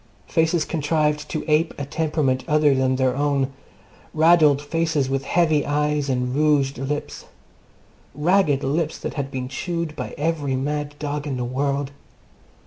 Faces contrived to ape a temperament other than their own. Raddled faces with heavy eyes and rouged lips. Ragged lips that had been chewed by every mad dog in the world.